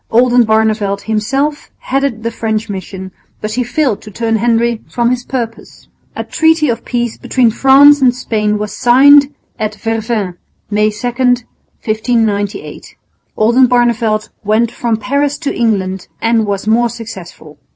Oldenbarneveldt himself headed the French mission, but he failed to turn Henry from his purpose. A treaty of peace between France and Spain was signed at Vervins, May 2, 1598. Oldenbarneveldt went from Paris to England and was more successful.